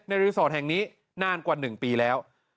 รีสอร์ทแห่งนี้นานกว่า๑ปีแล้ว